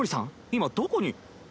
今どこに？